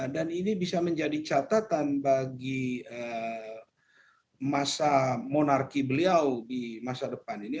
dan ini bisa menjadi catatan bagi masa monarki beliau di masa depan ini